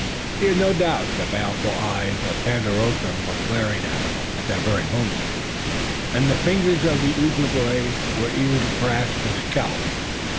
He had no doubt the baleful eyes of Tandakora were glaring at him at that very moment, and that the fingers of the Ojibway were eager to grasp his scalp.